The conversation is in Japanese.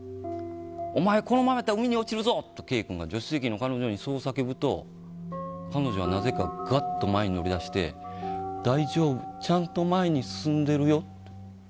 お前、このままだと海に落ちるぞ！と助手席の彼女にそう叫ぶと、彼女はなぜかガッと前に乗り出して大丈夫、ちゃんと前に進んでるよと。